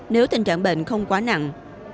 nếu tình trạng bệnh không quá nặng